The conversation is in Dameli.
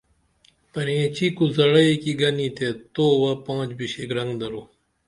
پرینچی کوزہ ڑئی کی گنی تے تووہ پانچ بشی گرنگ درو